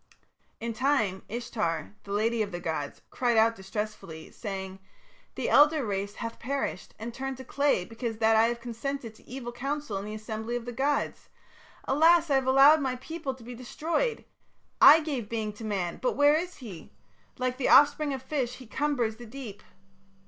"In time Ishtar, the lady of the gods, cried out distressfully, saying: 'The elder race hath perished and turned to clay because that I have consented to evil counsel in the assembly of the gods. Alas! I have allowed my people to be destroyed. I gave being to man, but where is he? Like the offspring of fish he cumbers the deep.'